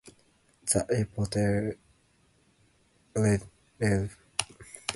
The airport already features road and rail connections.